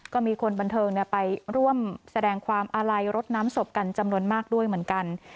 ก็มีคนบันเทิงไปร่วมแสดงความอาลัยรถน้ำศพกันจำนวนมากด้วยเหมือนกัน